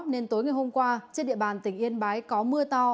nên tối ngày hôm qua trên địa bàn tỉnh yên bái có mưa to